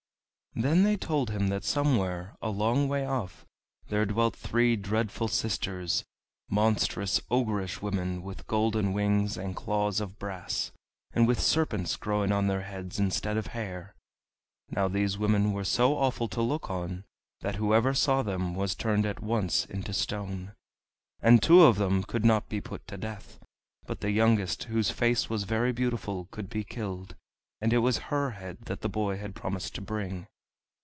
Then they told him that somewhere, a long way off, there dwelt three dreadful sisters, monstrous ogrish women, with golden wings and claws of brass, and with serpents growing on their heads instead of hair. Now these women were so awful to look on that whoever saw them was turned at once into stone. And two of them could not be put to death, but the youngest, whose face was very beautiful, could be killed, and it was her head that the boy had promised to bring.